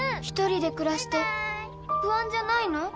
一人で暮らして不安じゃないの？